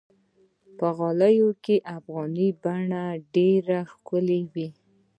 په غالۍ کې افغاني بڼه ډېره ښکلي وي.